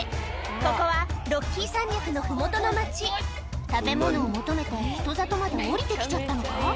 ここはロッキー山脈の麓の町食べ物を求めて人里まで下りて来ちゃったのか？